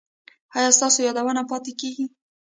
ایا ستاسو یادونه پاتې کیږي؟